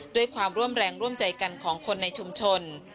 ด้วยความร่วมแรงร่วมใจกันของคนในชุมชน